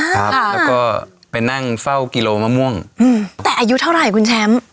ครับแล้วก็ไปนั่งเฝ้ากิโลมะม่วงอืมแต่อายุเท่าไหร่คุณแชมป์